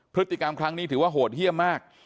พฤติกรรมครั้งนี้ถือว่าโหดเยี่ยมมาก